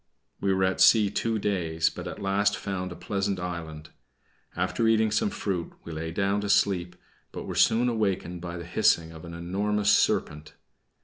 We were at sea two days, but at last found a pleasant island. After eating some fruit, we lay down to sleep, but were soon awakened by the hissing of an enormous serpent.